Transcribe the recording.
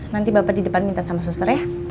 nanti bapak di depan minta sama suster ya